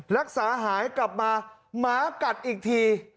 รักษาหายกลับมาหมากัดอีกที